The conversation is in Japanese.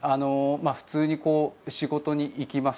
普通に仕事に行きます。